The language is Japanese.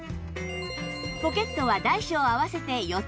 ポケットは大小合わせて４つ